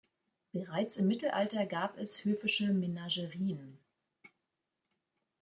Bereits im Mittelalter gab es höfische Menagerien.